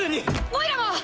おいらも！